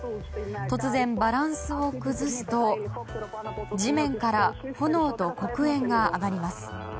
突然バランスを崩すと地面から炎と黒煙が上がります。